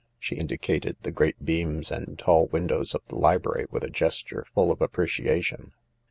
She indicated the great beams and tall win dows of the library with a gesture full of appreciation.